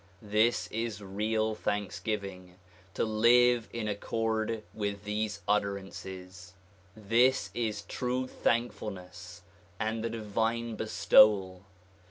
This is real thanksgiving, to live in accord with these utterances. This is true thankfulness and the divine bestowal.